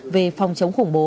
về phòng chống khủng bố